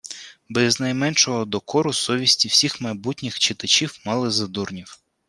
Без найменшого докору совісті всіх майбутніх читачів мали за дурнів